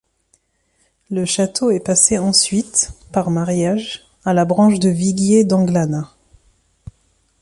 Le château est passé ensuite, par mariage, à la branche de Viguier d'Anglanat.